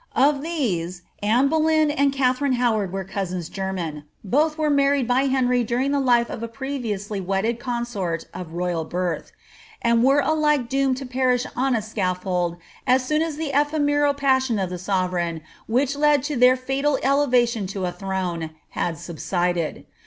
Of these, Anne Boleyn md Katharine Howard were cousins german : both were married by Henry during the life of a previously wedded consort of royal birth, ■id were alike doomed to perish on a scaffold as soon as the ephemeral pmioD of the sovereign, which led to their fatal elevation to a throne, had subsided.